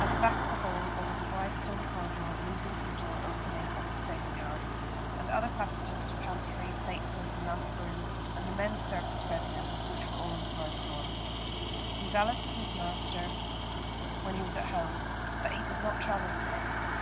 At the back of the hall there was a wide stone corridor leading to the door opening on the stable yard, and other passages to pantry, plate room, lamp room, and the menservants' bedrooms, which were all on the ground floor. He valeted his master when he was at home, but he did not travel with him.